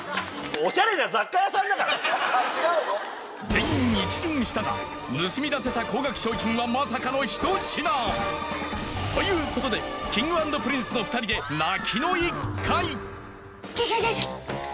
全員一巡したが盗み出せた高額商品はまさかの１品ということでＫｉｎｇ＆Ｐｒｉｎｃｅの２人で泣きの一回いけいけ！